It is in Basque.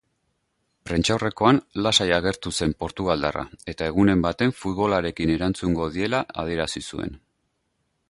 Prentsaurrekoan lasai agertu zen portugaldarra eta egunen baten futbolarekin erantzungo diela adierazi zuen.